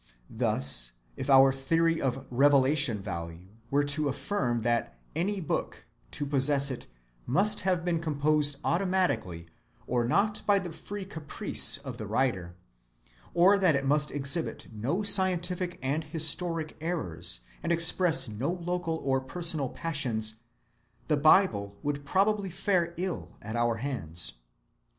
Thus if our theory of revelation‐value were to affirm that any book, to possess it, must have been composed automatically or not by the free caprice of the writer, or that it must exhibit no scientific and historic errors and express no local or personal passions, the Bible would probably fare ill at our hands.